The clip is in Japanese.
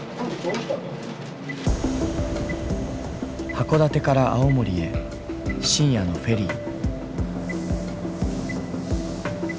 函館から青森へ深夜のフェリー。